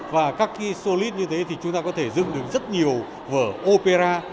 và các solid như thế thì chúng ta có thể dựng được rất nhiều vở opera